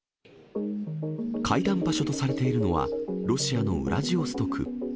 会談場所とされているのは、ロシアのウラジオストク。